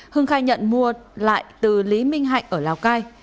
hưng khai nhận mua lại từ lý minh hạnh ở lào cai